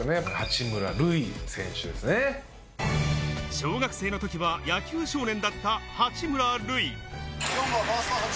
小学生の時は野球少年だった八村塁。